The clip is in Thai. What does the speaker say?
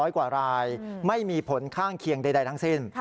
กว่ารายไม่มีผลข้างเคียงใดทั้งสิ้น